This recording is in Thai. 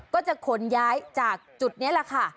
ก็จะขนย้ายจากจุดนี้แหละค่ะ